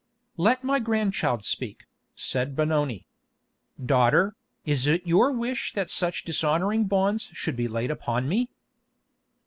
"Let my grandchild speak," said Benoni. "Daughter, is it your wish that such dishonouring bonds should be laid upon me?"